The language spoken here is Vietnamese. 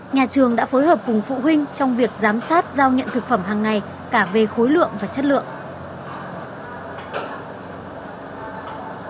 nhà trường đã phối hợp cùng phụ huynh trong việc giám sát giao nhận thực phẩm hàng ngày cả về khối lượng và chất lượng